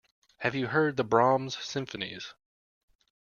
Have you heard the Brahms symphonies?